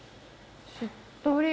しっとり。